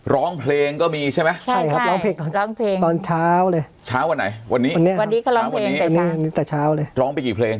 ร้องเพลงก็มีใช่ไหมใช่ครับร้องเพลงร้องเพลงตอนเช้าเลยเช้าวันไหนวันนี้วันนี้ก็ร้องเพลงแต่งานแต่เช้าเลยร้องไปกี่เพลง